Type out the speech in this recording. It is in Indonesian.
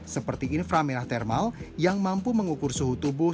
seperti inframerah thermal yang mampu mengukur suhu tubuh